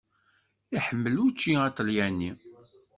Iḥemmel učči aṭelyani.